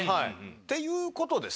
っていうことです